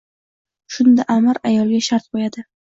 Shunda amir ayolga shart qoʻyadi.